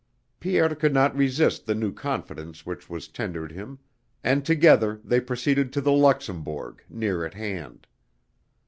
Pierre could not resist the new confidence which was tendered him and together they proceeded to the Luxembourg near at hand.